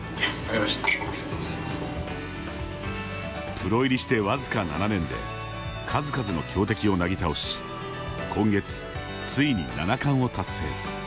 プロ入りして僅か７年で数々の強敵をなぎ倒し今月ついに七冠を達成。